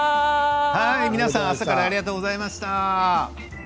朝からありがとうございました。